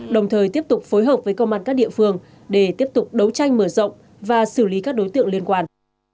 đồng thời tiếp tục phối hợp với công an các địa phương để tiếp tục đấu tranh mở rộng và xử lý các đối tượng liên quan